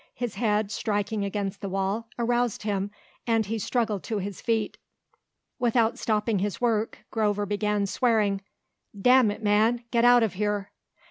His head, striking against the wall, aroused him and he struggled to his feet. Without stopping his work, Grover began swearing. "Damn it, man, get out of here."